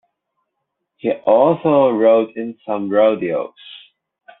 He also rode in some rodeos.